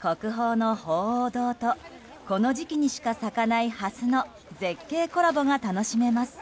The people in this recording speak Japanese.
国宝の鳳凰堂とこの時期にしか咲かないハスの絶景コラボが楽しめます。